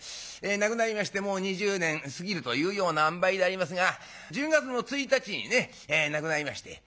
亡くなりましてもう２０年過ぎるというようなあんばいでありますが１０月の１日にね亡くなりまして。